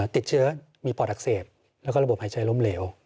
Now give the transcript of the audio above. ติดเชื้อมีปอดอักเสบแล้วก็ระบบหายใจล้มเหลว